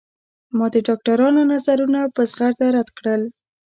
ما د ډاکترانو نظرونه په زغرده رد کړل.